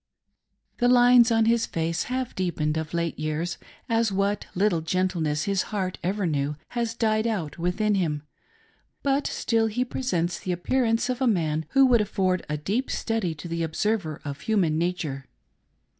The lines on his face have deepened of late year s, as what little of gentleness his heart ever knew has died out within him ; but still he presents the appearance of a man who would afford a deep study to the observer of human nature.